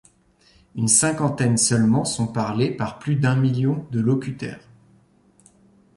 Une cinquantaine seulement sont parlées par plus d'un million de locuteurs.